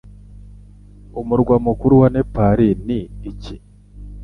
Umurwa mukuru wa Nepal ni iki